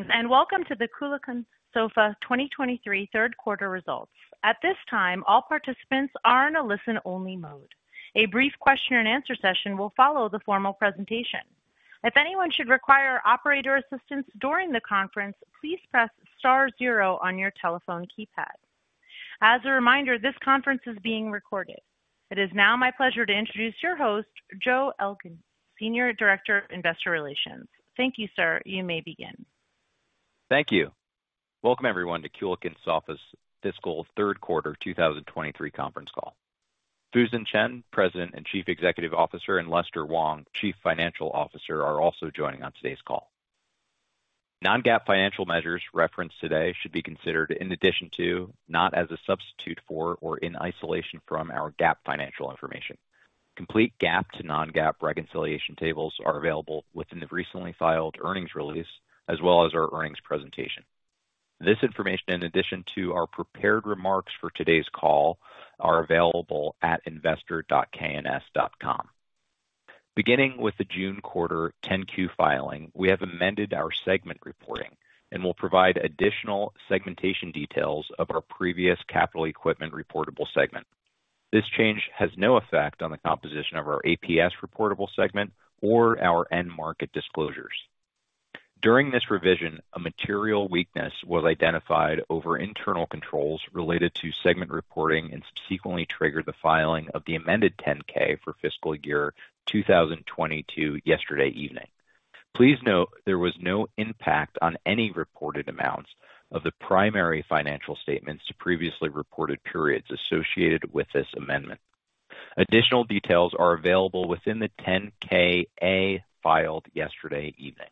Greetings, welcome to the Kulicke & Soffa 2023 third quarter results. At this time, all participants are in a listen-only mode. A brief question and answer session will follow the formal presentation. If anyone should require operator assistance during the conference, please press star zero on your telephone keypad. As a reminder, this conference is being recorded. It is now my pleasure to introduce your host, Joe Elgindy, Senior Director of Investor Relations. Thank you, sir. You may begin. Thank you. Welcome, everyone, to Kulicke and Soffa's fiscal third quarter 2023 conference call. Fusen Chen, President and Chief Executive Officer, and Lester Wong, Chief Financial Officer, are also joining on today's call. non-GAAP financial measures referenced today should be considered in addition to, not as a substitute for or in isolation from, our GAAP financial information. Complete GAAP to non-GAAP reconciliation tables are available within the recently filed earnings release, as well as our earnings presentation. This information, in addition to our prepared remarks for today's call, are available at investor.kns.com. Beginning with the June quarter 10-Q filing, we have amended our segment reporting and will provide additional segmentation details of our previous capital equipment reportable segment. This change has no effect on the composition of our APS reportable segment or our end market disclosures. During this revision, a material weakness was identified over internal controls related to segment reporting and subsequently triggered the filing of the amended Form 10-K for fiscal year 2022 yesterday evening. Please note there was no impact on any reported amounts of the primary financial statements to previously reported periods associated with this amendment. Additional details are available within the Form 10-K/A, filed yesterday evening.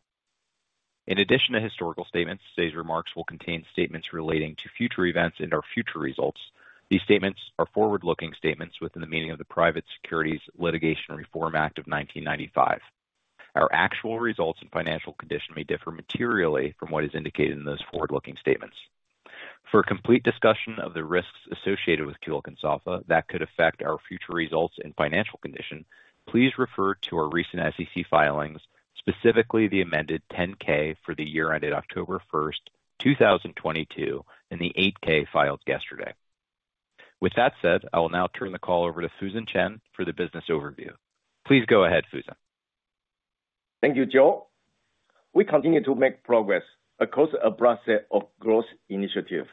In addition to historical statements, today's remarks will contain statements relating to future events and our future results. These statements are forward-looking statements within the meaning of the Private Securities Litigation Reform Act of 1995. Our actual results and financial condition may differ materially from what is indicated in those forward-looking statements. For a complete discussion of the risks associated with Kulicke and Soffa that could affect our future results and financial condition, please refer to our recent SEC filings, specifically the amended 10-K for the year ended October 1st, 2022, and the 8-K filed yesterday. With that said, I will now turn the call over to Fusen Chen for the business overview. Please go ahead, Fusen. Thank you, Joe. We continue to make progress across a broad set of growth initiatives.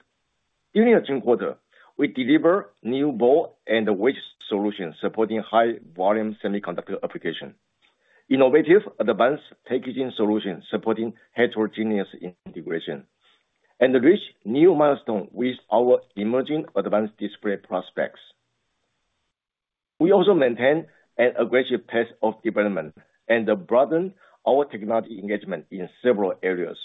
During the June quarter, we delivered new ball and the wedge solutions supporting high-volume semiconductor application, innovative advanced packaging solutions supporting heterogeneous integration, and reached new milestone with our emerging advanced display prospects. We also maintain an aggressive pace of development and broaden our technology engagement in several areas.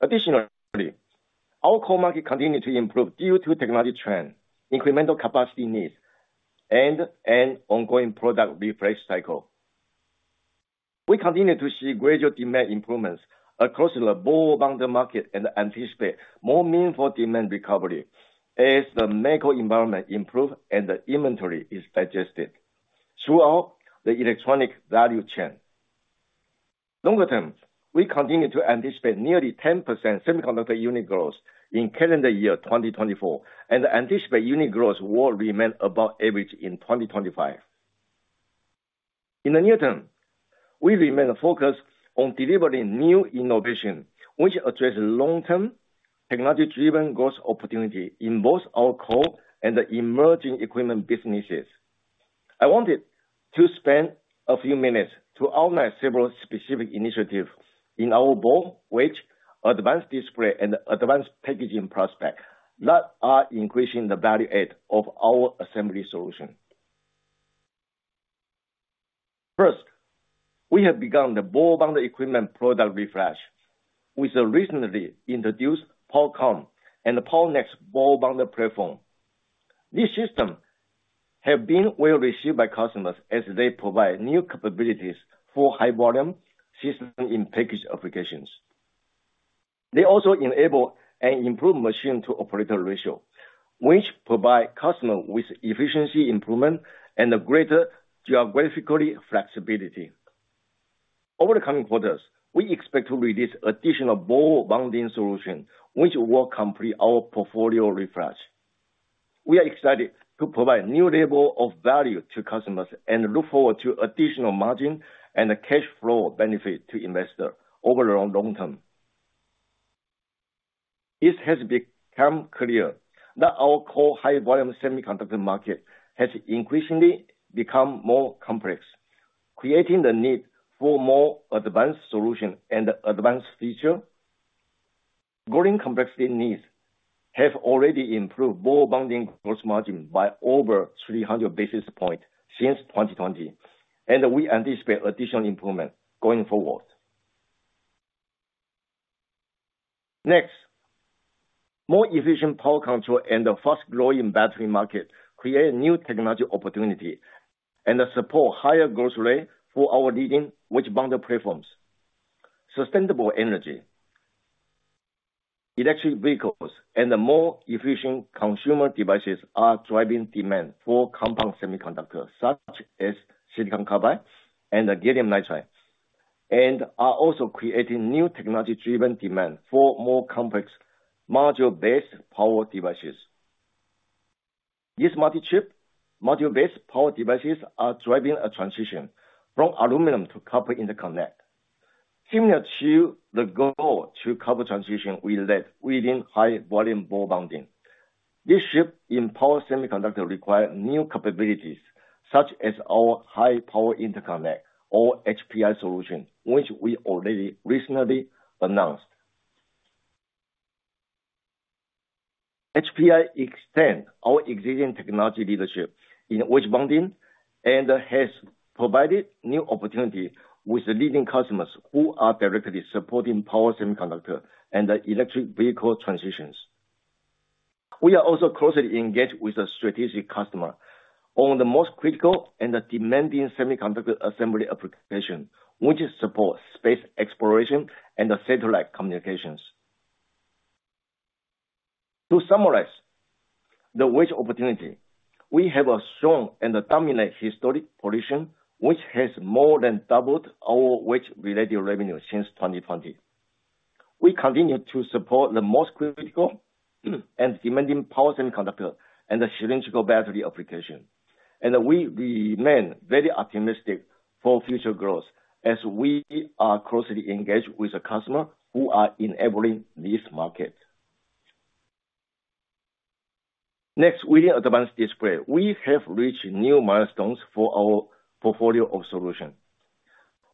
Our core market continued to improve due to technology trend, incremental capacity needs and ongoing product refresh cycle. We continue to see gradual demand improvements across the ball bonder market and anticipate more meaningful demand recovery as the macro environment improves and the inventory is digested throughout the electronic value chain. Longer term, we continue to anticipate nearly 10% semiconductor unit growth in calendar year 2024, and anticipate unit growth will remain above average in 2025. In the near term, we remain focused on delivering new innovation, which addresses long-term technology-driven growth opportunity in both our core and the emerging equipment businesses. I wanted to spend a few minutes to outline several specific initiatives in our ball, which advanced display and advanced packaging prospect, that are increasing the value add of our assembly solution. First, we have begun the ball bonding equipment product refresh with the recently introduced POWERCOMM and the POWER NeXX ball bonding platform. These systems have been well received by customers as they provide new capabilities for high-volume System-in-Package applications. They also enable an improved machine-to-operator ratio, which provide customers with efficiency improvement and greater geographically flexibility. Over the coming quarters, we expect to release additional ball bonding solutions, which will complete our portfolio refresh. We are excited to provide a new level of value to customers and look forward to additional margin and cash flow benefit to investors over the long term. It has become clear that our core high-volume semiconductor market has increasingly become more complex, creating the need for more advanced solutions and advanced features. Growing complexity needs have already improved ball bonding gross margin by over 300 basis points since 2020, and we anticipate additional improvement going forward. Next, more efficient power control and the fast-growing battery market create new technology opportunity and support higher growth rate for our leading wedge bonder platforms. Sustainable energy.... electric vehicles and the more efficient consumer devices are driving demand for compound semiconductors, such as silicon carbide and gallium nitride, and are also creating new technology-driven demand for more complex module-based power devices. These multi-chip module-based power devices are driving a transition from aluminum to copper interconnect. Similar to the gold to copper transition we led within high volume ball bonding, this shift in power semiconductor require new capabilities, such as our High Power Interconnect or HPI solution, which we already recently announced. HPI extend our existing technology leadership in wedge bonding and has provided new opportunity with the leading customers who are directly supporting power semiconductor and the electric vehicle transitions. We are also closely engaged with a strategic customer on the most critical and the demanding semiconductor assembly application, which support space exploration and the satellite communications. To summarize the wafer opportunity, we have a strong and dominant historic position, which has more than doubled our wafer-related revenue since 2020. We continue to support the most critical and demanding power semiconductor and the cylindrical battery application. We remain very optimistic for future growth as we are closely engaged with the customer who are enabling this market. Next, within advanced display, we have reached new milestones for our portfolio of solution,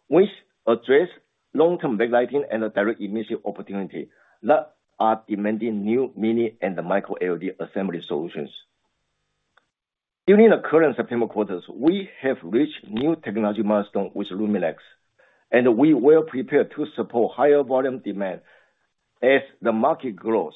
which address long-term backlighting and direct emission opportunity that are demanding new Mini LED and Micro LED assembly solutions. During the current September quarters, we have reached new technology milestone with LUMINEX, and we well prepared to support higher volume demand as the market grows.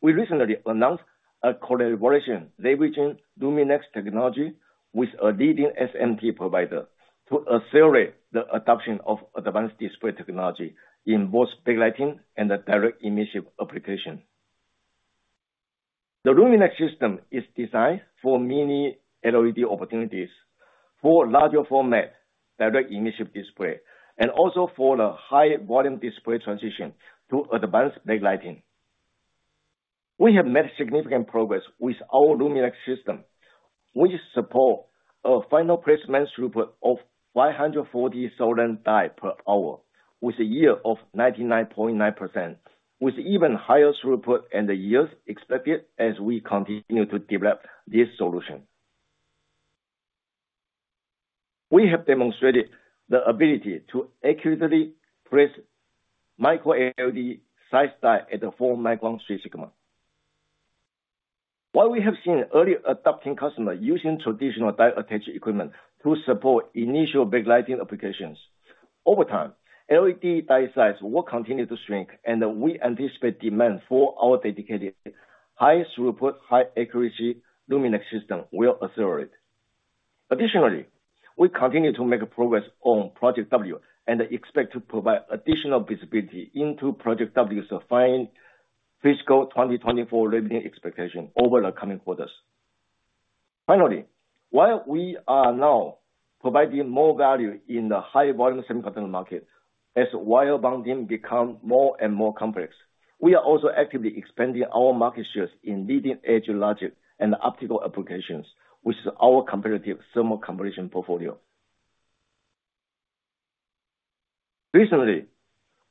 We recently announced a collaboration leveraging LUMINEX technology with a leading SMT provider to accelerate the adoption of advanced display technology in both backlighting and the direct emission application. The LUMINEX system is designed for Mini LED opportunities, for larger format, direct emission display, and also for the high volume display transition to advanced backlighting. We have made significant progress with our LUMINEX system, which support a final placement throughput of 540,000 die per hour, with a yield of 99.9%, with even higher throughput and the yields expected as we continue to develop this solution. We have demonstrated the ability to accurately place Micro LED size die at the 4 µm 3-sigma. While we have seen early adopting customers using traditional die attach equipment to support initial backlighting applications, over time, LED die size will continue to shrink, and we anticipate demand for our dedicated high throughput, high accuracy LUMINEX system will accelerate. Additionally, we continue to make progress on Project W and expect to provide additional visibility into Project W's defined fiscal 2024 revenue expectation over the coming quarters. Finally, while we are now providing more value in the high volume semiconductor market, as wire bonding become more and more complex, we are also actively expanding our market shares in leading-edge logic and optical applications, which is our competitive thermocompression portfolio. Recently,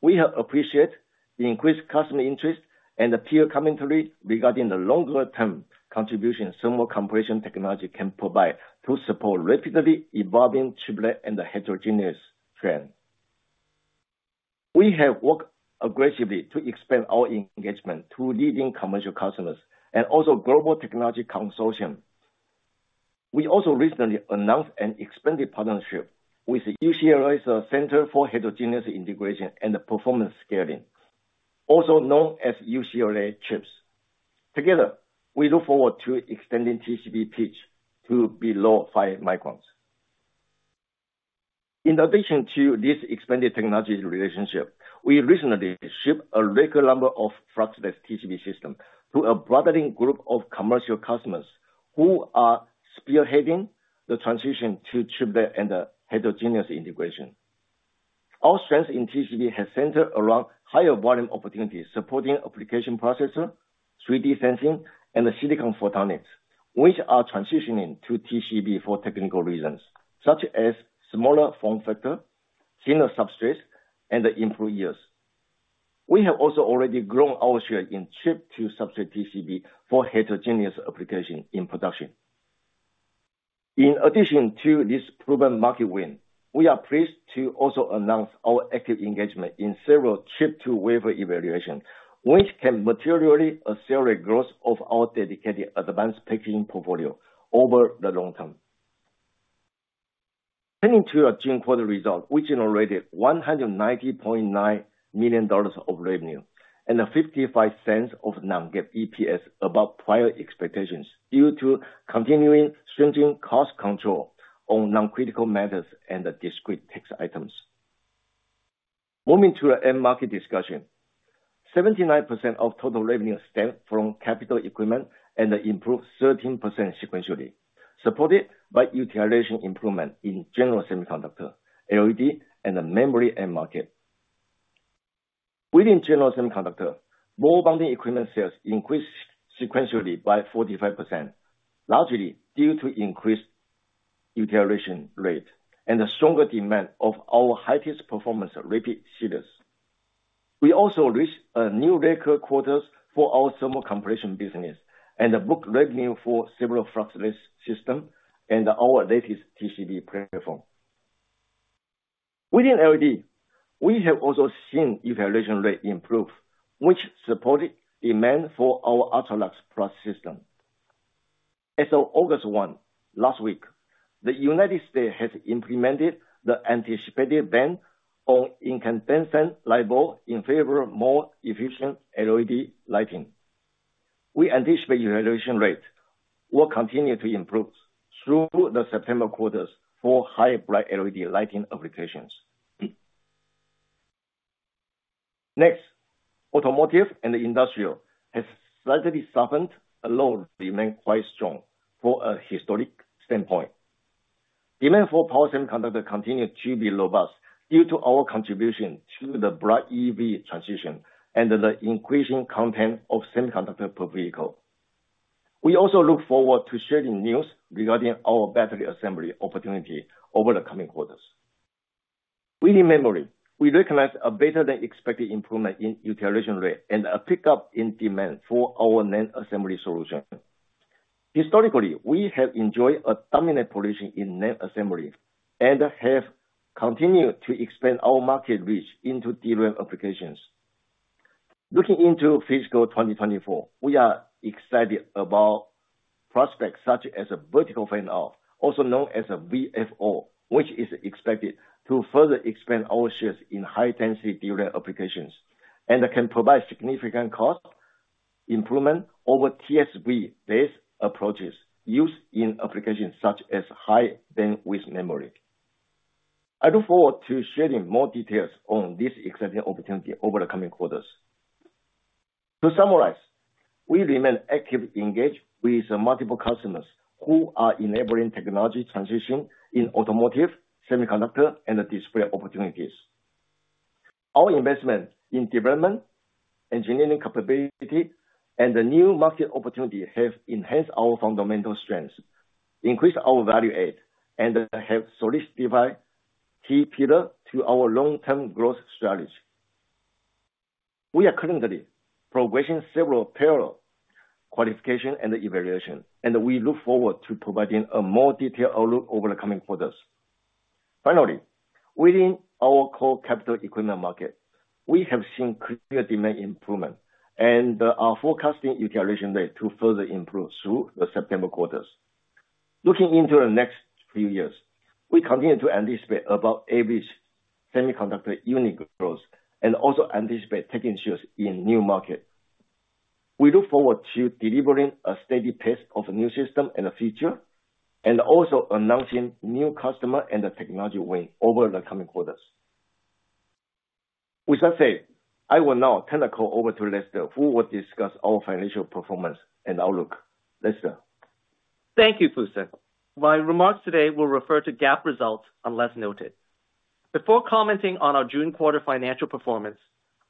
we have appreciated the increased customer interest and the peer commentary regarding the longer term contribution thermocompression technology can provide to support rapidly evolving chiplet and the heterogeneous trend. We have worked aggressively to expand our engagement to leading commercial customers and also global technology consortium. We also recently announced an expanded partnership with UCLA's Center for Heterogeneous Integration and Performance Scaling, also known as UCLA CHIPS. Together, we look forward to extending TCB pitch to below 5 µm. In addition to this expanded technology relationship, we recently shipped a record number of fluxless TCB system to a broadening group of commercial customers who are spearheading the transition to chiplet and heterogeneous integration. Our strength in TCB has centered around higher volume opportunities, supporting application processor, 3D sensing, and silicon photonics, which are transitioning to TCB for technical reasons, such as smaller form factor, thinner substrates, and improved yields. We have also already grown our share in chip-to-substrate TCB for heterogeneous application in production. In addition to this proven market win, we are pleased to also announce our active engagement in several chip-to-wafer evaluation, which can materially accelerate growth of our dedicated advanced packaging portfolio over the long term. Turning to our June quarter results, which generated $190.9 million of revenue and $0.55 of non-GAAP EPS above prior expectations, due to continuing stringent cost control on non-critical matters and discrete tax items. Moving to the end market discussion, 79% of total revenue stemmed from capital equipment and improved 13% sequentially, supported by utilization improvement in general semiconductor, LED, and the memory end market. Within general semiconductor, more bonding equipment sales increased sequentially by 45%, largely due to increased utilization rate and the stronger demand of our highest performance RAPID series. We also reached new record quarters for our thermocompression business and booked revenue for several fluxless system and our latest TCB platform. Within LED, we have also seen utilization rate improve, which supported demand for our ULTRA LUX Plus system. As of August 1, last week, the United States has implemented the anticipated ban on incandescent light bulb in favor of more efficient LED lighting. We anticipate utilization rate will continue to improve through the September quarters for high-brightness LED lighting applications. Next, automotive and industrial has slightly softened, although remain quite strong from a historic standpoint. Demand for power semiconductor continued to be robust due to our contribution to the broad EV transition and the increasing content of semiconductor per vehicle. We also look forward to sharing news regarding our battery assembly opportunity over the coming quarters. Within memory, we recognize a better than expected improvement in utilization rate and a pickup in demand for our NAND assembly solution. Historically, we have enjoyed a dominant position in NAND assembly and have continued to expand our market reach into DRAM applications. Looking into fiscal 2024, we are excited about prospects such as a Vertical Fan-Out, also known as a VFO, which is expected to further expand our shares in high-density DRAM applications, and can provide significant cost improvement over TSV-based approaches used in applications such as High Bandwidth Memory. I look forward to sharing more details on this exciting opportunity over the coming quarters. To summarize, we remain actively engaged with multiple customers who are enabling technology transition in automotive, semiconductor, and display opportunities. Our investment in development, engineering capability, and the new market opportunity have enhanced our fundamental strengths, increased our value add, and have solidified key pillar to our long-term growth strategy. We are currently progressing several parallel qualification and evaluation, and we look forward to providing a more detailed outlook over the coming quarters. Finally, within our core capital equipment market, we have seen clear demand improvement and are forecasting utilization rate to further improve through the September quarters. Looking into the next few years, we continue to anticipate about average semiconductor unit growth and also anticipate taking shares in new market. We look forward to delivering a steady pace of new system in the future, also announcing new customer and the technology win over the coming quarters. With that said, I will now turn the call over to Lester, who will discuss our financial performance and outlook. Lester? Thank you, Fusen. My remarks today will refer to GAAP results, unless noted. Before commenting on our June quarter financial performance,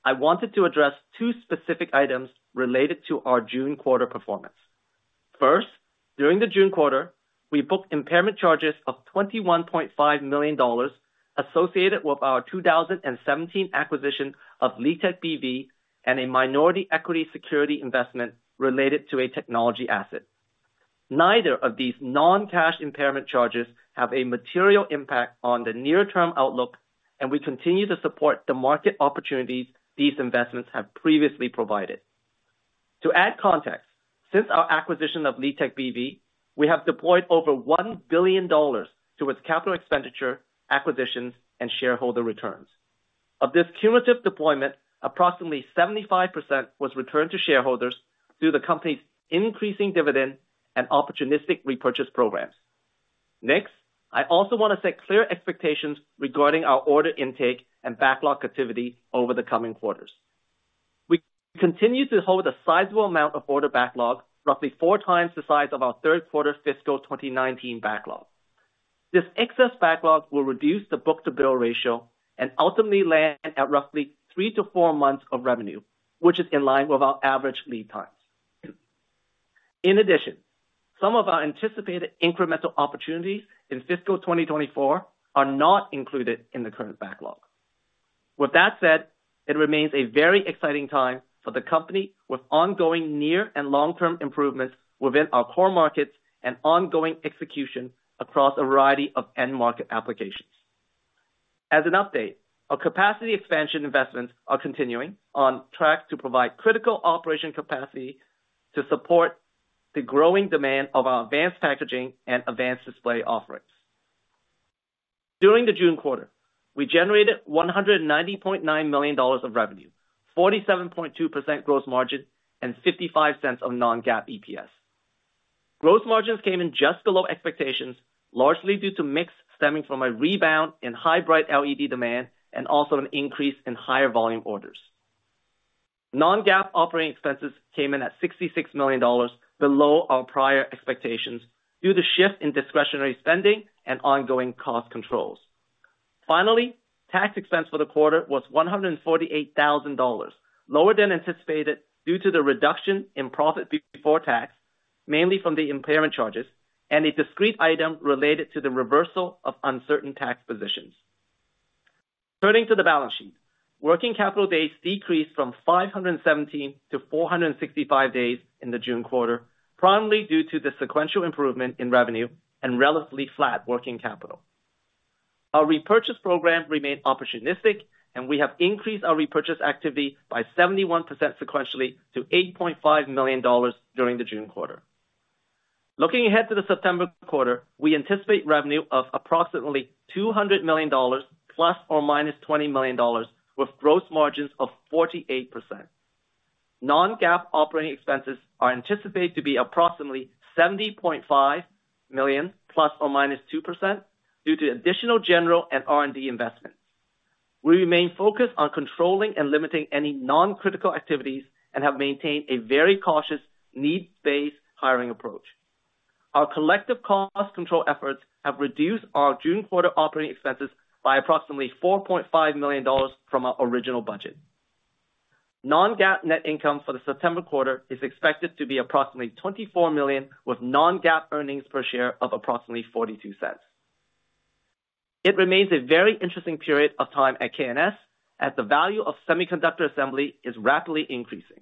I wanted to address two specific items related to our June quarter performance. First, during the June quarter, we booked impairment charges of $21.5 million associated with our 2017 acquisition of Liteq B.V., and a minority equity security investment related to a technology asset. Neither of these non-cash impairment charges have a material impact on the near-term outlook, and we continue to support the market opportunities these investments have previously provided. To add context, since our acquisition of Liteq B.V., we have deployed over $1 billion towards capital expenditure, acquisitions, and shareholder returns. Of this cumulative deployment, approximately 75% was returned to shareholders through the company's increasing dividend and opportunistic repurchase programs. Next, I also want to set clear expectations regarding our order intake and backlog activity over the coming quarters. We continue to hold a sizable amount of order backlog, roughly four times the size of our third quarter fiscal 2019 backlog. This excess backlog will reduce the book-to-bill ratio and ultimately land at roughly three to four months of revenue, which is in line with our average lead times. In addition, some of our anticipated incremental opportunities in fiscal 2024 are not included in the current backlog. With that said, it remains a very exciting time for the company, with ongoing near and long-term improvements within our core markets and ongoing execution across a variety of end market applications. As an update, our capacity expansion investments are continuing on track to provide critical operation capacity to support the growing demand of our advanced packaging and advanced display offerings. During the June quarter, we generated $190.9 million of revenue, 47.2% gross margin, and $0.55 of non-GAAP EPS. Gross margins came in just below expectations, largely due to mix stemming from a rebound in high bright LED demand and also an increase in higher volume orders. Non-GAAP operating expenses came in at $66 million, below our prior expectations, due to shift in discretionary spending and ongoing cost controls. Finally, tax expense for the quarter was $148,000, lower than anticipated due to the reduction in profit before tax, mainly from the impairment charges and a discrete item related to the reversal of uncertain tax positions. Turning to the balance sheet. Working capital days decreased from 517 to 465 days in the June quarter, primarily due to the sequential improvement in revenue and relatively flat working capital. Our repurchase program remained opportunistic, we have increased our repurchase activity by 71% sequentially to $8.5 million during the June quarter. Looking ahead to the September quarter, we anticipate revenue of approximately $200 million ±$20 million, with gross margins of 48%. Non-GAAP operating expenses are anticipated to be approximately $70.5 million, ±2%, due to additional general and R&D investments. We remain focused on controlling and limiting any non-critical activities and have maintained a very cautious, needs-based hiring approach. Our collective cost control efforts have reduced our June quarter operating expenses by approximately $4.5 million from our original budget. Non-GAAP net income for the September quarter is expected to be approximately $24 million, with Non-GAAP earnings per share of approximately $0.42. It remains a very interesting period of time at KNS, as the value of semiconductor assembly is rapidly increasing.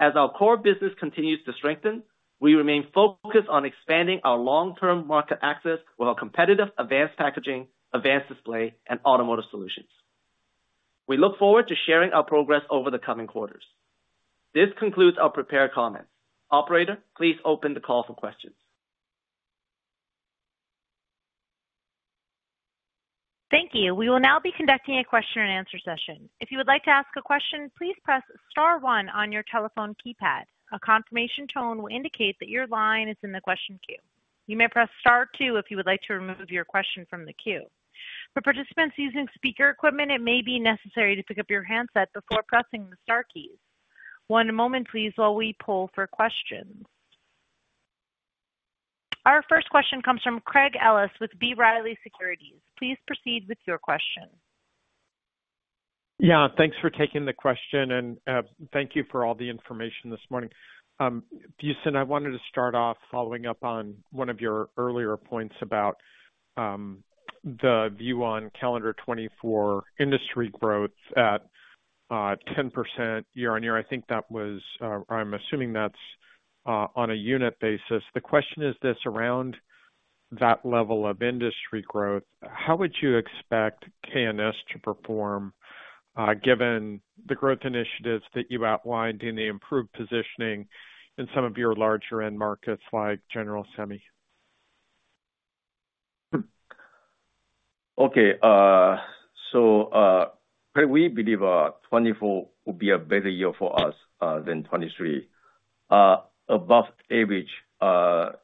As our core business continues to strengthen, we remain focused on expanding our long-term market access with our competitive advanced packaging, advanced display, and automotive solutions. We look forward to sharing our progress over the coming quarters. This concludes our prepared comments. Operator, please open the call for questions. Thank you. We will now be conducting a question and answer session. If you would like to ask a question, please press star one on your telephone keypad. A confirmation tone will indicate that your line is in the question queue. You may press star two if you would like to remove your question from the queue. For participants using speaker equipment, it may be necessary to pick up your handset before pressing the star keys. One moment, please, while we poll for questions. Our first question comes from Craig Ellis with B. Riley Securities. Please proceed with your question. Yeah, thanks for taking the question, and thank you for all the information this morning. Fusen, I wanted to start off following up on one of your earlier points about the view on calendar 2024 industry growth at 10% year-on-year. I think that was, I'm assuming that's on a unit basis. The question is this, around that level of industry growth, how would you expect K&S to perform, given the growth initiatives that you outlined in the improved positioning in some of your larger end markets, like General Semi? Okay. We believe 2024 will be a better year for us than 2023. Above average,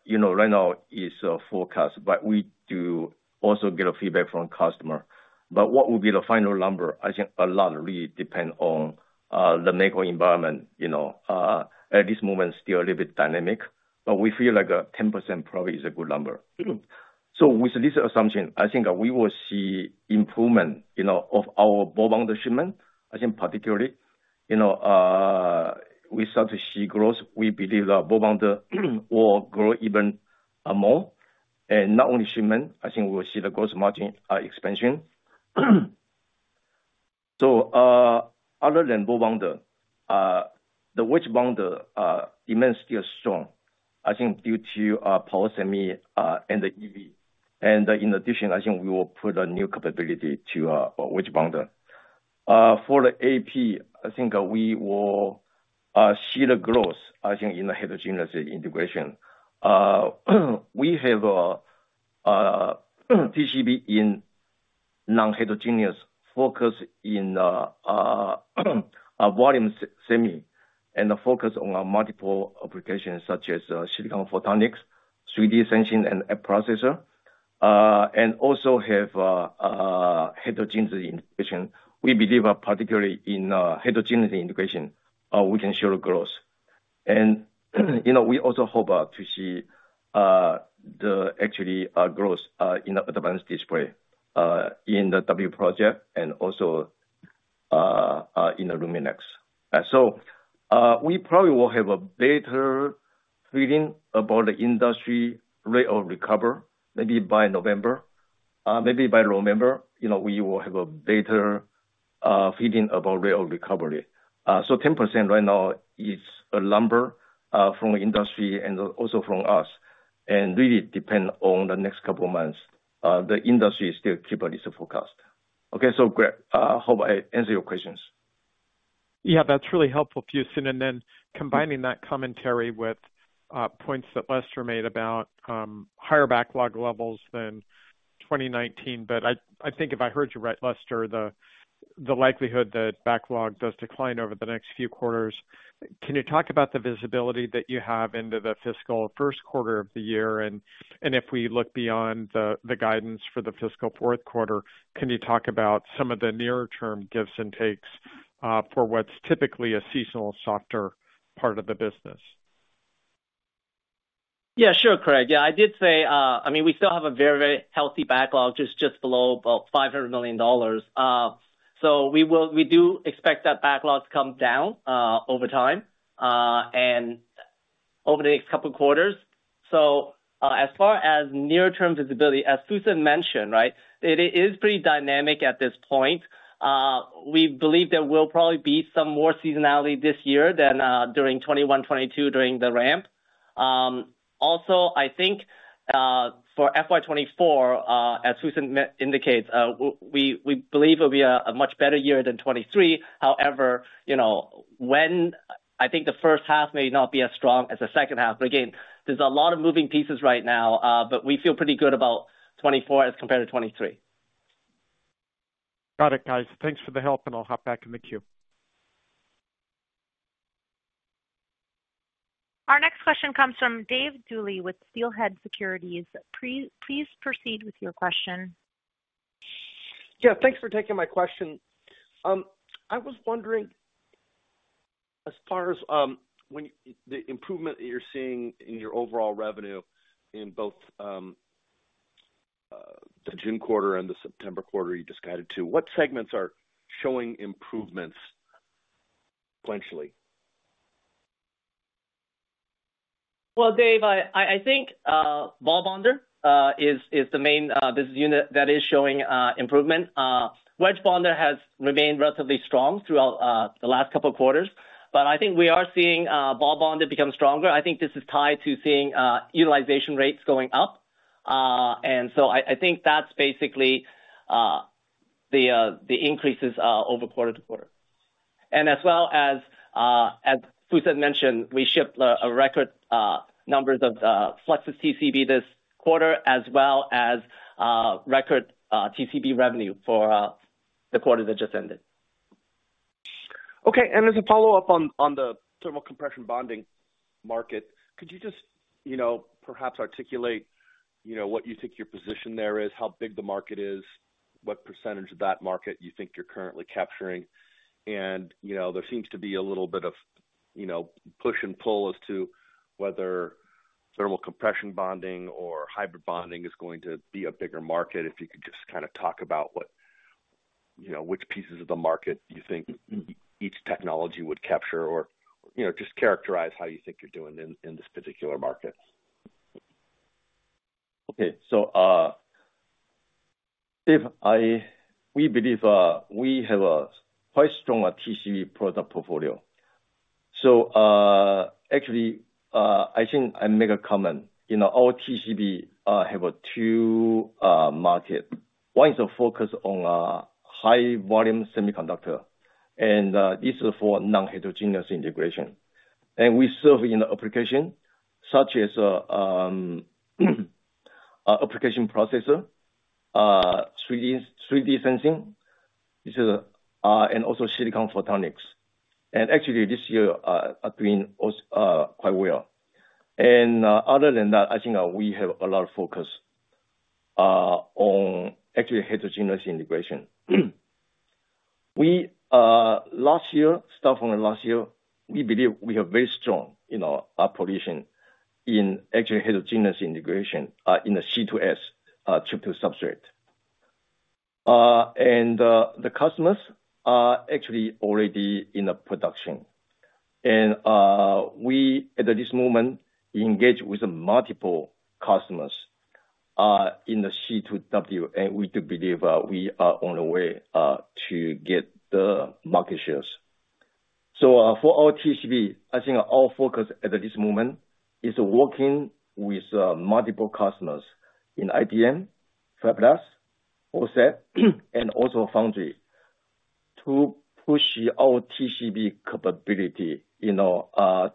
you know, right now is forecast, we do also get a feedback from customer. What will be the final number? I think a lot really depend on the macro environment. You know, at this moment, still a little bit dynamic, but we feel like 10% probably is a good number. With this assumption, I think we will see improvement, you know, of our ball bonder shipment. I think particularly, you know, we start to see growth. We believe our ball bonder will grow even more. Not only shipment, I think we will see the gross margin expansion. Other than bonder, the wedge bond demand is still strong, I think due to power semi and the EV. In addition, I think we will put a new capability to wedge bonder. For the AP, I think we will see the growth, I think, in the heterogeneous integration. We have TCB in non-heterogeneous focus in volume semi and the focus on multiple applications such as silicon photonics, 3D sensing, and app processor. Also have heterogeneous integration. We believe, particularly in heterogeneous integration, we can ensure growth. You know, we also hope to see the actually growth in the advanced display, in the Project W and also in the LUMINEX. We probably will have a better feeling about the industry rate of recover, maybe by November, maybe by November, you know, we will have a better feeling about rate of recovery. 10% right now is a number, from the industry and also from us, and really depend on the next couple of months. The industry is still keep at this forecast. Okay, Craig, hope I answered your questions. Yeah, that's really helpful, Fusen. Combining that commentary with points that Lester made about higher backlog levels than 2019. I, I think if I heard you right, Lester, the likelihood that backlog does decline over the next few quarters, can you talk about the visibility that you have into the fiscal first quarter of the year? If we look beyond the guidance for the fiscal fourth quarter, can you talk about some of the nearer term gives and takes for what's typically a seasonal softer part of the business? Yeah, sure, Craig. Yeah, I did say, I mean, we still have a very, very healthy backlog, just, just below about $500 million. We do expect that backlogs come down over time and over the next couple quarters. As far as near-term visibility, as Fusen mentioned, right, it is pretty dynamic at this point. We believe there will probably be some more seasonality this year than during 2021, 2022, during the ramp. Also, I think, for FY 2024, as Fusen indicates, we believe it will be a much better year than 2023. However, you know, when I think the first half may not be as strong as the second half, but again, there's a lot of moving pieces right now, but we feel pretty good about 2024 as compared to 2023. Got it, guys. Thanks for the help, and I'll hop back in the queue. Our next question comes from Dave Duley with Steelhead Securities. Please, please proceed with your question. Yeah, thanks for taking my question. I was wondering, as far as, when the improvement that you're seeing in your overall revenue in both, the June quarter and the September quarter you just guided to, what segments are showing improvements sequentially? Well, Dave, I think ball bonder is the main business unit that is showing improvement. Wedge bonder has remained relatively strong throughout the last couple of quarters, but I think we are seeing ball bonder become stronger. I think this is tied to seeing utilization rates going up. I think that's basically the increases over quarter to quarter. As well as, as Susan mentioned, we shipped a record numbers of fluxless TCB this quarter, as well as record TCB revenue for the quarter that just ended. Okay. As a follow-up on, on the thermocompression bonding market, could you just, you know, perhaps articulate, you know, what you think your position there is? How big the market is, what percentage of that market you think you're currently capturing? You know, there seems to be a little bit of, you know, push and pull as to whether thermocompression bonding or hybrid bonding is going to be a bigger market. If you could just kind of talk about what, you know, which pieces of the market you think each technology would capture, or, you know, just characterize how you think you're doing in, in this particular market. Okay. We believe we have a quite strong TCB product portfolio. Actually, I think I make a comment. You know, our TCB have a two market. One is a focus on high volume semiconductor. This is for non-heterogeneous integration. We serve in the application, such as application processor, 3D sensing, and also silicon photonics. Actually, this year are doing quite well. Other than that, I think we have a lot of focus on actually heterogeneous integration. We, last year, starting from last year, we believe we have very strong, you know, position in actually heterogeneous integration in the C2S, chip-to-substrate. The customers are actually already in the production. We, at this moment, engage with multiple customers in the C2W, and we do believe we are on the way to get the market shares. For our TCB, I think our focus at this moment is working with multiple customers in IDM, Fabless, OSAT, and also foundry, to push our TCB capability, you know,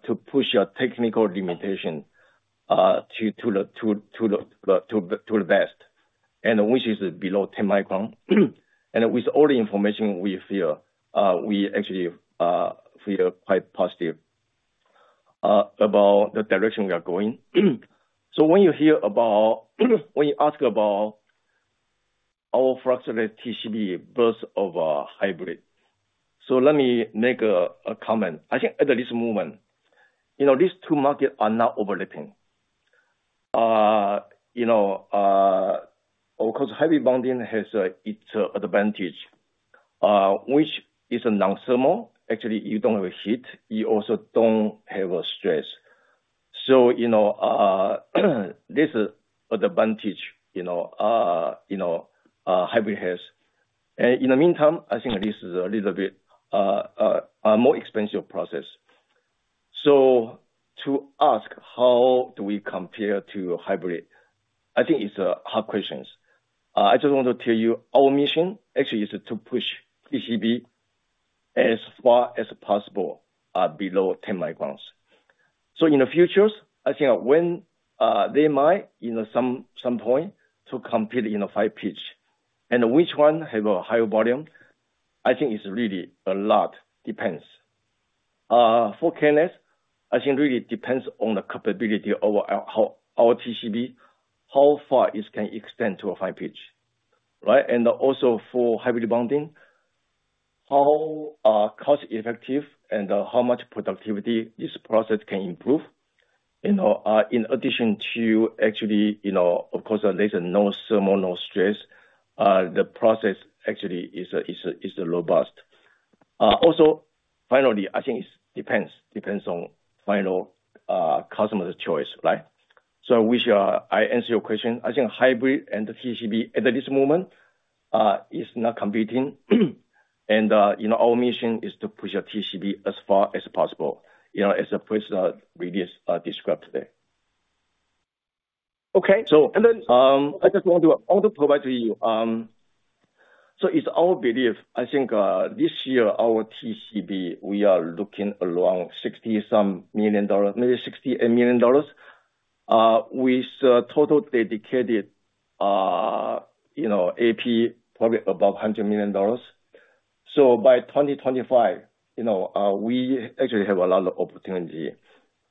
to push our technical limitation to the best, and which is below 10 µm. With all the information we feel, we actually feel quite positive about the direction we are going. When you hear about, when you ask about our flux TCB versus over hybrid. Let me make a comment. I think at this moment, you know, these two markets are not overlapping. You know, of course, hybrid bonding has its advantage, which is a non-thermal. Actually, you don't have a heat, you also don't have a stress. You know, this advantage, you know, hybrid has. In the meantime, I think this is a little bit a more expensive process. To ask, how do we compare to hybrid? I think it's hard questions. I just want to tell you, our mission actually is to push TCB as far as possible, below 10 µm. In the futures, I think when they might, you know, some, some point to compete in a 5 pitch. Which one have a higher volume, I think it's really a lot depends. For KNS, I think really depends on the capability of our, our, our TCB, how far it can extend to a 5 pitch, right? Also for hybrid bonding, how cost effective and how much productivity this process can improve. You know, in addition to actually, you know, of course there's no thermal, no stress, the process actually is a, is a, is a robust. Also finally, I think it depends, depends on final customer's choice, right? Which, I answer your question. I think hybrid and the TCB at this moment, is not competing. You know, our mission is to push our TCB as far as possible, you know, as I first really described today. Okay. I just want to provide to you, it's our belief, this year, our TCB, we are looking around $60 million, maybe $68 million, with total dedicated AP, probably about $100 million. By 2025, we actually have a lot of opportunity.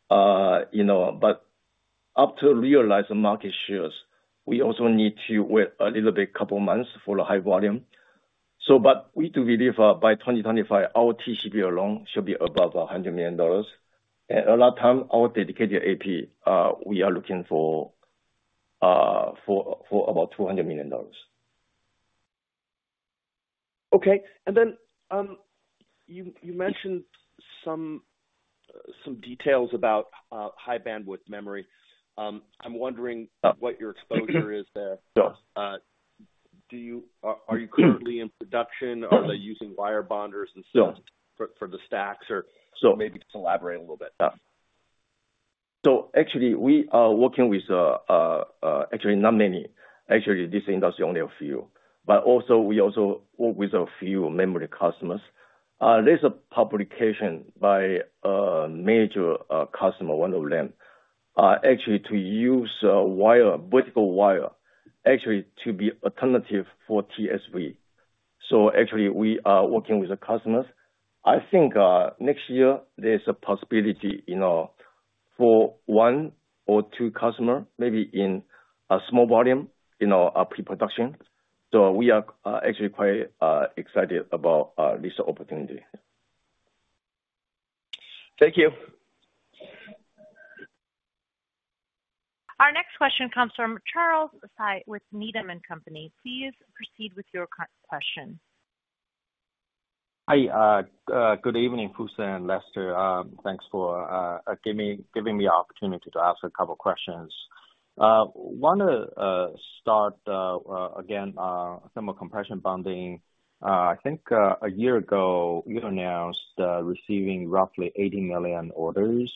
Up to realize the market shares, we also need to wait a little bit, couple of months for the high volume. We do believe, by 2025, our TCB alone should be above $100 million. A lot of time, our dedicated AP, we are looking for about $200 million. Okay. You, you mentioned some, some details about High Bandwidth Memory. I'm wondering what your exposure is there. Sure. Do you, are, are you currently in production? Are they using wire bonders and stuff- Sure. For, for the stacks? Or- So- Maybe just elaborate a little bit. Actually, we are working with, actually not many. Actually, this industry only a few. Also, we also work with a few memory customers. There's a publication by a major customer, one of them, actually to use wire, vertical wire, actually to be alternative for TSV. Actually, we are working with the customers. I think, next year there's a possibility, you know, for one or two customers, maybe in a small volume, you know, a pre-production. We are actually quite excited about this opportunity. Thank you. Our next question comes from Charles Shi with Needham & Company. Please proceed with your question. Hi, good evening, Fusen and Lester. Thanks for giving, giving me the opportunity to ask a couple questions. Want to start again, thermocompression bonding. I think a year ago, you announced receiving roughly $80 million orders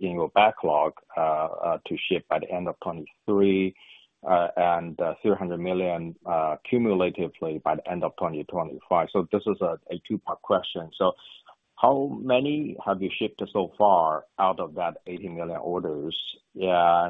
in your backlog to ship by the end of 2023, and $300 million cumulatively by the end of 2025. This is a two-part question. How many have you shipped so far out of that $80 million orders? Yeah,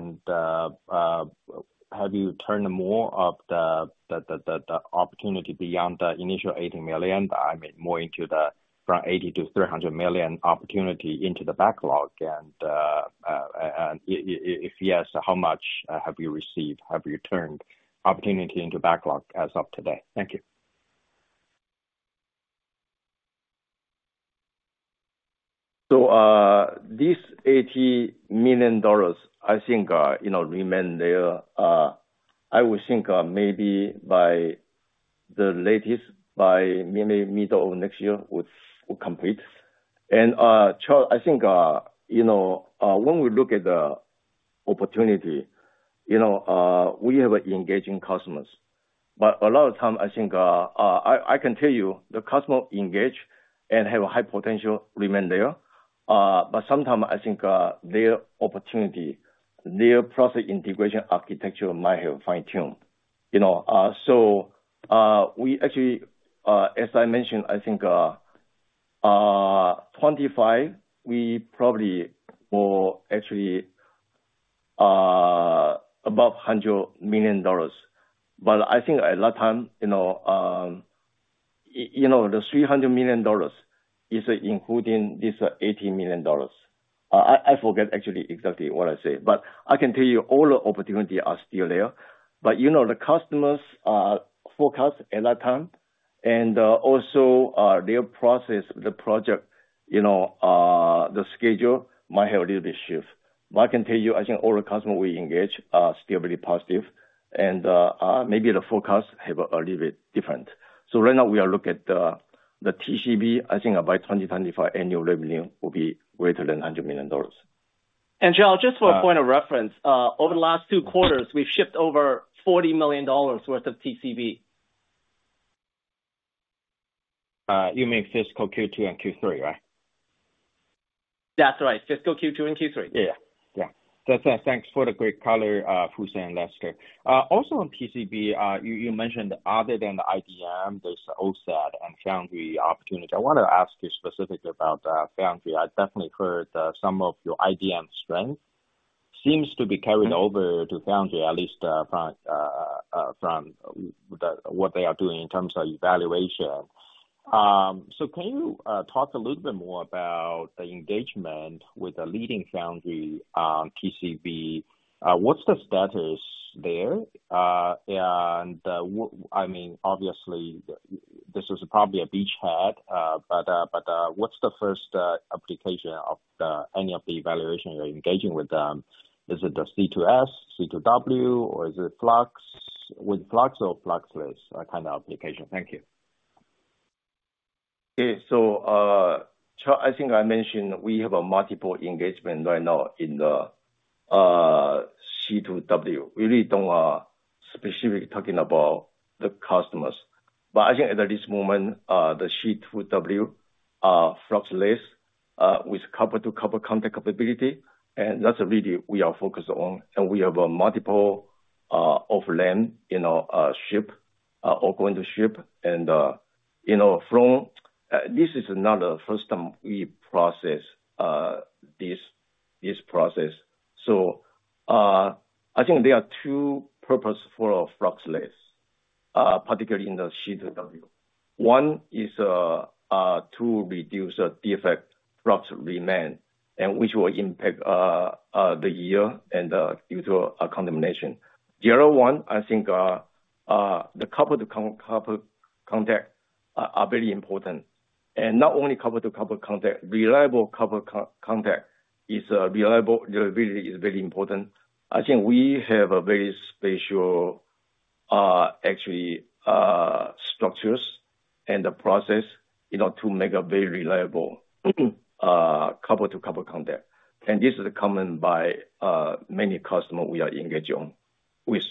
have you turned more of the, the, the, the opportunity beyond the initial $80 million? I mean, more into the from $80 million-$300 million opportunity into the backlog. If yes, how much have you received? Have you turned opportunity into backlog as of today? Thank you. This $80 million, I think, you know, remain there. I would think, maybe by the latest, by maybe middle of next year, would, will complete. Charles, I think, you know, when we look at the opportunity, you know, we have engaging customers. A lot of time I think, I, I can tell you, the customer engage and have a high potential remain there. Sometime I think, their opportunity, their process integration architecture might have fine-tuned, you know. We actually, as I mentioned, I think, 25, we probably will actually, above $100 million. I think a lot of time, you know, you know, the $300 million is including this $80 million. I, I forget actually exactly what I say, but I can tell you all the opportunity are still there. You know, the customers forecast at that time and also their process, the project, you know, the schedule might have a little bit shift. I can tell you, I think all the customers we engage are still very positive and maybe the forecast have a little bit different. Right now we are looking at the TCB, I think by 2025, annual revenue will be greater than $100 million. Charles, just for a point of reference, over the last two quarters, we've shipped over $40 million worth of TCB. You mean fiscal Q2 and Q3, right? That's right, fiscal Q2 and Q3. Yeah. Yeah. That's it. Thanks for the great color, Fusen and Lester. Also on TCB, you, you mentioned other than the IDM, there's OSAT and foundry opportunities. I want to ask you specifically about foundry. I definitely heard some of your IDM strength seems to be carrying over to foundry, at least, from the, what they are doing in terms of evaluation. Can you talk a little bit more about the engagement with the leading foundry, TCB? What's the status there? I mean, obviously, this is probably a beach head, but, but, what's the first application of the, any of the evaluation you're engaging with them? Is it the C2S, C2W, or is it flux, with flux or fluxless, kind of application? Thank you. Okay. I think I mentioned we have a multiple engagement right now in the C2W. We really don't specifically talking about the customers. I think at this moment, the C2W fluxless with copper-to-copper contact capability, and that's really we are focused on, and we have a multiple of them, you know, ship or going to ship. You know, from this is not the first time we process this, this process. I think there are two purpose for fluxless particularly in the C2W. One is to reduce the defect flux remain, and which will impact the yield and due to a contamination. The other one, I think the copper-to-copper contact are very important. Not only copper-to-copper contact, reliable copper co- contact is reliable, reliability is very important. I think we have a very special, actually, structures and the process, you know, to make a very reliable, copper-to-copper contact. This is common by many customer we are engaging with.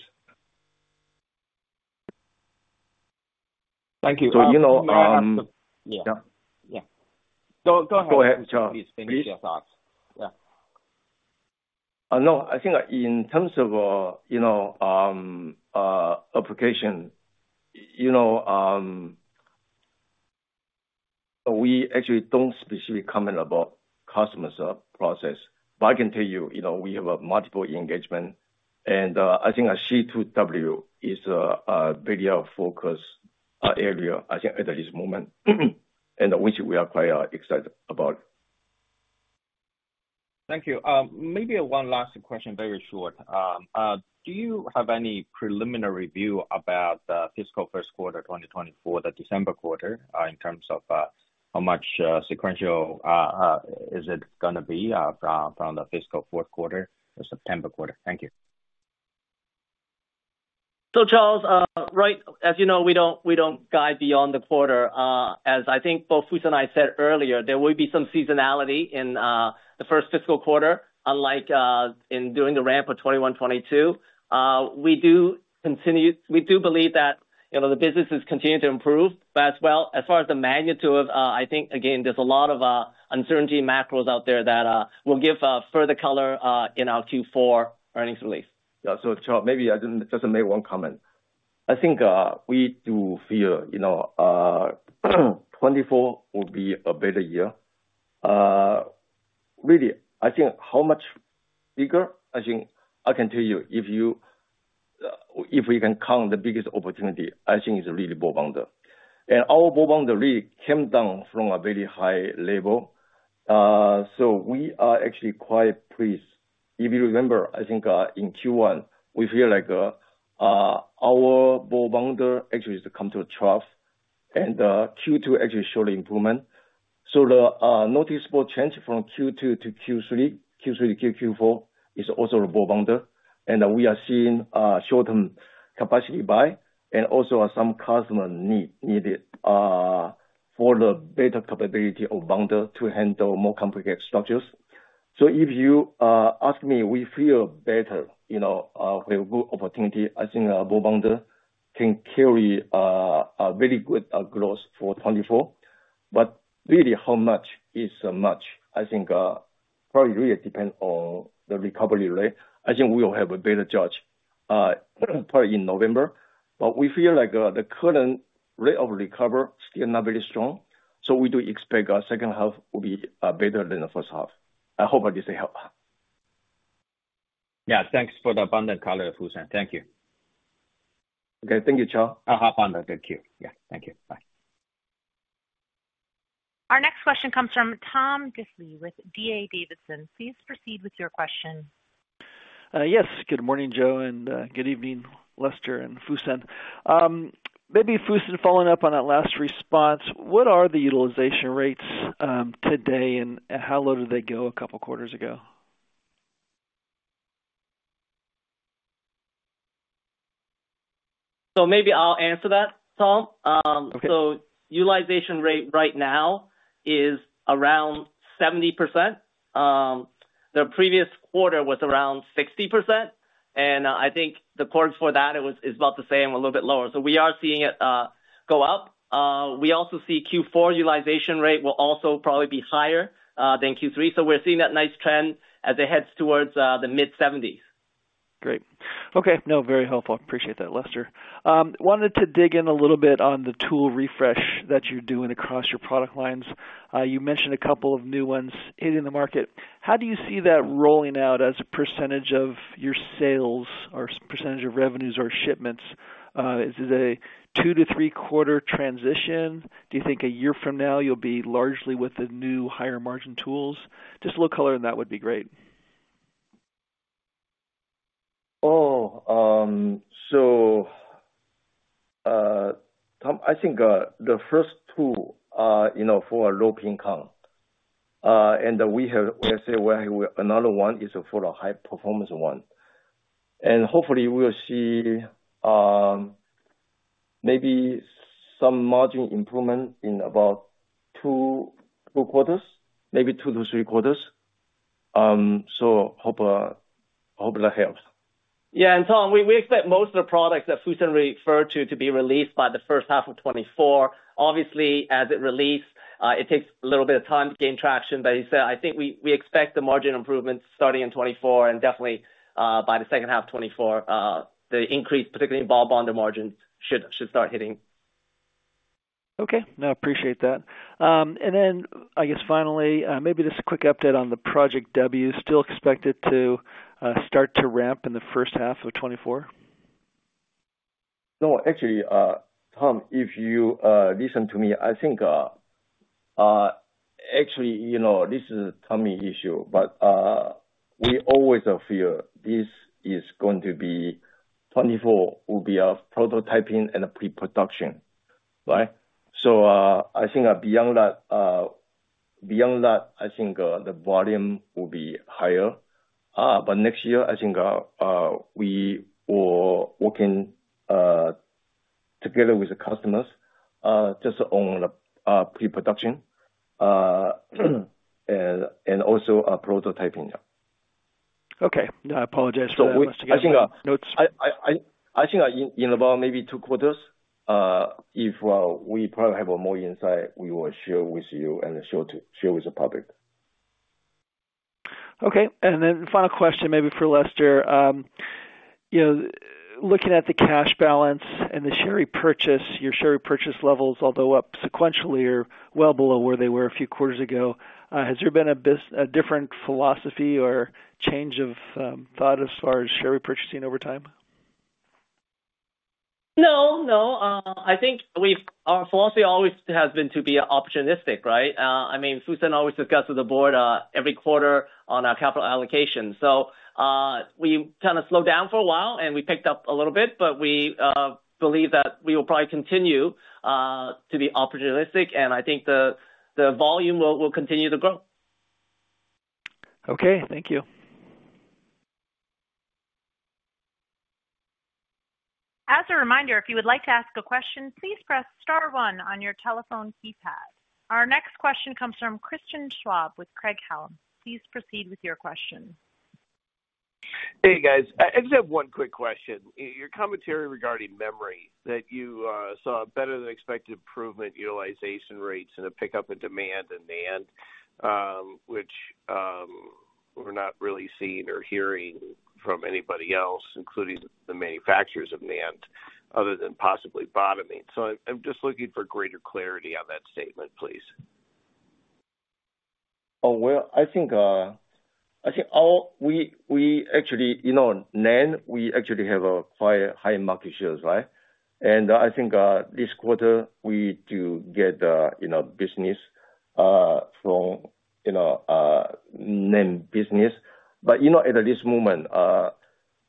Thank you. you know. Yeah. Yeah. Yeah. Go, go ahead. Go ahead, Charles. Please finish your thoughts. Yeah. No, I think in terms of, you know, application, you know, we actually don't specifically comment about customers, process. But I can tell you, you know, we have a multiple engagement, and I think a C2W is a bigger focus area, I think, at this moment, and which we are quite excited about. Thank you. Maybe one last question, very short. Do you have any preliminary view about fiscal first quarter, 2024, the December quarter, in terms of how much sequential is it gonna be from the fiscal fourth quarter, the September quarter? Thank you. Charles, right, as you know, we don't, we don't guide beyond the quarter. As I think both Fusen and I said earlier, there will be some seasonality in the first fiscal quarter, unlike in doing the ramp of 2021, 2022. We do believe that, you know, the business is continuing to improve, but as well, as far as the magnitude of, I think, again, there's a lot of uncertainty macros out there that will give further color in our Q4 earnings release. Yeah. Charles, maybe I can just make one comment. I think, we do feel, you know, 2024 will be a better year. Really, I think how much bigger, I think I can tell you, if you, if we can count the biggest opportunity, I think it's really ball bonder. Our ball bonder really came down from a very high level, so we are actually quite pleased. If you remember, I think, in Q1, we feel like, our ball bonder actually has come to a trough, and Q2 actually showed improvement. The noticeable change from Q2 to Q3, Q3 to Q4 is also a ball bonder, and we are seeing, short-term capacity buy and also some customer need, for the better capability of bonder to handle more complicated structures. If you ask me, we feel better, you know, with good opportunity. I think ball bonder can carry a very good growth for 2024. Really, how much is so much? I think probably really it depends on the recovery rate. I think we will have a better judge probably in November, but we feel like the current rate of recovery is still not very strong, so we do expect our second half will be better than the first half. I hope I just help. Yeah, thanks for the abundant color, Fusen. Thank you. Okay. Thank you, Charles. Have a good day. Thank you. Yeah. Thank you. Bye. Our next question comes from Tom Diffely with D.A. Davidson. Please proceed with your question. Yes. Good morning, Joe, and, good evening, Lester and Fusen. Maybe Fusen, following up on that last response, what are the utilization rates, today, and, and how low did they go two quarters ago? Maybe I'll answer that, Tom. Okay. Utilization rate right now is around 70%. The previous quarter was around 60%, I think the quotes for that it was, is about the same, a little bit lower. We are seeing it go up. We also see Q4 utilization rate will also probably be higher than Q3. We're seeing that nice trend as it heads towards the mid-70s. Great. Okay. No, very helpful. Appreciate that, Lester. Wanted to dig in a little bit on the tool refresh that you're doing across your product lines. You mentioned a couple of new ones hitting the market. How do you see that rolling out as a percentage of your sales or percentage of revenues or shipments? Is it a two to thee quarter transition? Do you think a year from now you'll be largely with the new higher margin tools? Just a little color on that would be great. Oh, so Tom, I think the first two, you know, for a low pin count, and we have, we are saying another one is for a high performance one, and hopefully we will see, maybe some margin improvement in about two, two quarters, maybe two to three quarters. Hope that helps. Yeah, Tom, we, we expect most of the products that Fusen referred to, to be released by the first half of 2024. Obviously, as it release, it takes a little bit of time to gain traction. He said, I think we, we expect the margin improvements starting in 2024 and definitely, by the second half of 2024, the increase, particularly in ball bonder margins, should, should start hitting. Okay, No, I appreciate that. I guess finally, maybe just a quick update on the Project W. Still expected to start to ramp in the first half of 2024? No, actually, Tom, if you listen to me, I think, actually, you know, this is a timing issue, but we always feel this is going to be, 2024 will be a prototyping and a pre-production, right? I think beyond that, beyond that, I think, the volume will be higher. Next year, I think, we were working together with the customers, just on pre-production, and, and also, prototyping. Okay, I apologize for- I think, I, I, I think in about maybe two quarters, if, we probably have a more insight, we will share with you and share with the public. Okay, then final question, maybe for Lester. You know, looking at the cash balance and the share repurchase, your share purchase levels, although up sequentially, are well below where they were a few quarters ago. Has there been a different philosophy or change of thought as far as share repurchasing over time? No, no. I think we've our philosophy always has been to be opportunistic, right? I mean, Fusen always discuss with the board every quarter on our capital allocation. We kind of slowed down for a while and we picked up a little bit, but we believe that we will probably continue to be opportunistic, and I think the volume will continue to grow. Okay, thank you. As a reminder, if you would like to ask a question, please press star one on your telephone keypad. Our next question comes from Christian Schwab with Craig-Hallum. Please proceed with your question. Hey, guys, I just have one quick question. Your commentary regarding memory, that you saw a better than expected improvement utilization rates and a pickup in demand in NAND, which, we're not really seeing or hearing from anybody else, including the manufacturers of NAND, other than possibly bottoming. I'm just looking for greater clarity on that statement, please. Oh, well, I think, I think all, we, we actually, you know, NAND, we actually have a quite high market shares, right? I think, this quarter, we do get, you know, business, from, you know, NAND business. You know, at this moment,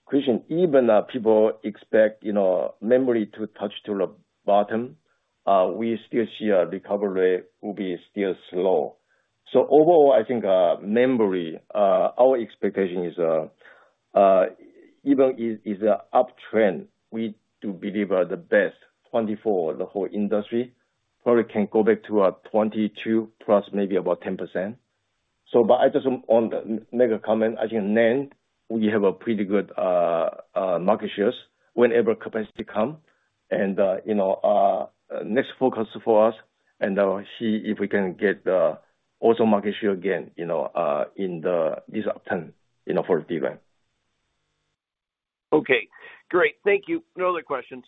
Christian, even, people expect, you know, memory to touch to the bottom, we still see a recovery rate will be still slow. Overall, I think, memory, our expectation is, even is, is a uptrend. We do believe are the best. 2024, the whole industry probably can go back to a 2022+, maybe about 10%. I just want to make a comment. I think NAND, we have a pretty good, market shares whenever capacity come. You know, next focus for us, and I'll see if we can get the also market share again, you know, in the, this uptrend, you know, for event. Okay, great. Thank you. No other questions.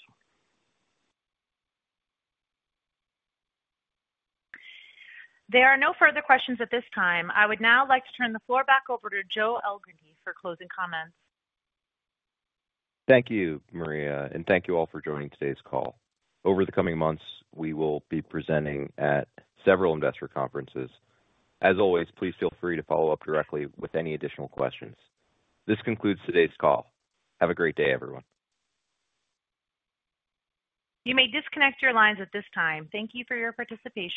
There are no further questions at this time. I would now like to turn the floor back over to Joseph Elgindy for closing comments. Thank you, Maria, and thank you all for joining today's call. Over the coming months, we will be presenting at several investor conferences. As always, please feel free to follow up directly with any additional questions. This concludes today's call. Have a great day, everyone. You may disconnect your lines at this time. Thank you for your participation.